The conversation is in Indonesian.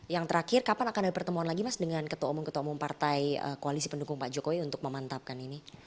yang terakhir kapan akan ada pertemuan lagi mas dengan ketua umum ketua umum partai koalisi pendukung pak jokowi untuk memantapkan ini